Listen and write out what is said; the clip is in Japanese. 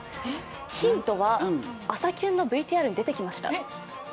ヒントは、朝キュンのＶＴＲに出てきました。